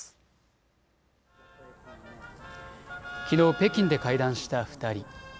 北京で会談した２人。